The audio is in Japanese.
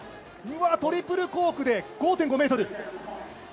トリプルコークで５．５ｍ。